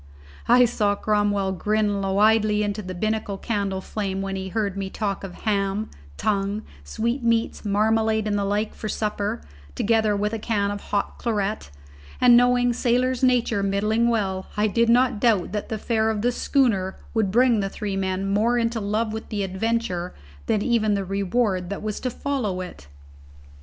I saw Cromwell grin widely into the binnacle candle flame when he heard me talk of ham, tongue, sweetmeats, marmalade and the like for supper, together with a can of hot claret, and knowing sailor's nature middling well, I did not doubt that the fare of the schooner would bring the three men more into love with the adventure than even the reward that was to follow it.